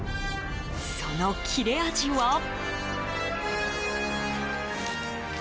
その切れ味は。